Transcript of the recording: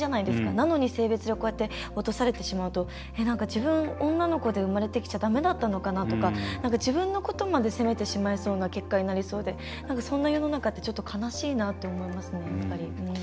なのに性別で落とされちゃうと自分、女の子で生まれてきちゃだめだったのかなとか自分のことまで責めてしまいそうな結果になりそうでそんな世の中ってちょっと悲しいなと思いますね。